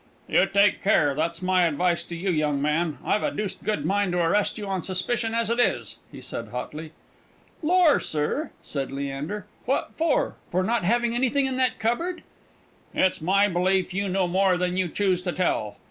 "You take care, that's my advice to you, young man. I've a deuced good mind to arrest you on suspicion as it is!" he said hotly. "Lor', sir!" said Leander, "what for for not having anything in that cupboard?" "It's my belief you know more than you choose to tell.